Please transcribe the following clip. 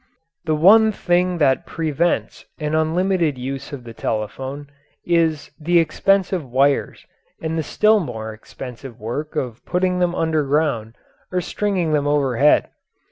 The one thing that prevents an unlimited use of the telephone is the expensive wires and the still more expensive work of putting them underground or stringing them overhead.